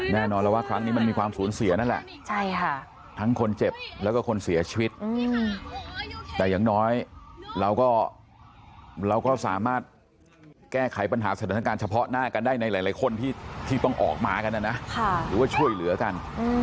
แน่นอนแล้วว่าครั้งนี้มันมีความสูญเสียนั่นแหละทั้งคนเจ็บแล้วก็คนเสียชีวิตแต่อย่างน้อยเราก็เราก็สามารถแก้ไขปัญหาสถานการณ์เฉพาะหน้ากันได้ในหลายคนที่ต้องออกมากันนะนะหรือว่าช่วยเหลือกัน